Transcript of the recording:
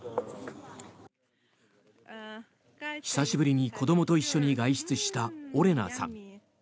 久しぶりに子どもと一緒に外出したオレナさん。